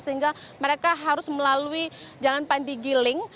sehingga mereka harus melalui jalan pandigiling